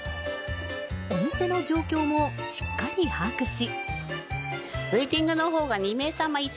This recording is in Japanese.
お店の状況もしっかり把握し。